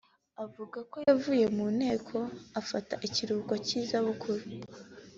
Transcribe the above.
avuga ko yavuye mu nteko afata ikiruhuko cy’izabukuru